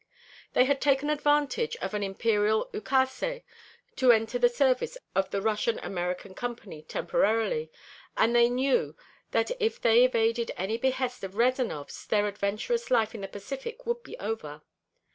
They had taken advantage of an imperial ukase to enter the service of the Russian American Company temporarily, and they knew that if they evaded any behest of Rezanov's their adventurous life in the Pacific would be over.